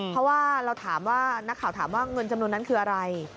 เพราะว่าเราถามว่านักข่าวถามว่าเงินจำนวนนั้นคืออะไร